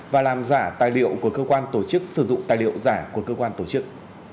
và làm giả tài liệu của cơ quan tổ chức sử dụng tài liệu giả của cơ quan tổ chức